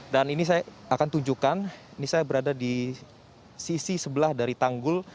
dan ini saya akan tunjukkan ini saya berada di sisi sebelah dari tanggul